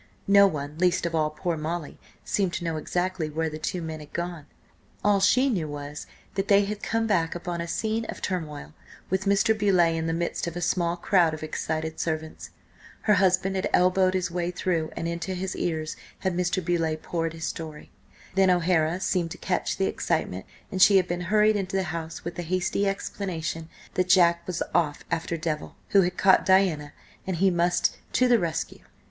No one, least of all poor Molly, seemed to know exactly where the two men had gone. All she knew was that they had come back upon a scene of turmoil, with Mr. Beauleigh in the midst of a small crowd of excited servants. Her husband had elbowed his way through, and into his ears had Mr. Beauleigh poured his story. Then O'Hara seemed to catch the excitement, and she had been hurried into the house with the hasty explanation that Jack was off after Devil, who had caught Diana, and he must to the rescue.